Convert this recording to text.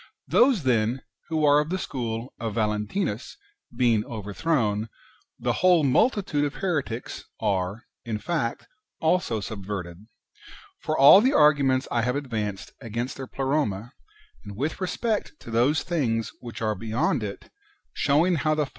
Those, then, who are of the school of Valentinus being overthrown, the whole multitude of heretics are, in fact, also subverted. For all the arguments I have advanced against their Pleroma, and wdth respect to those things which are beyond it, showing how the.